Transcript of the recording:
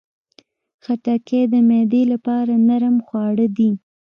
خټکی د معدې لپاره نرم خواړه دي.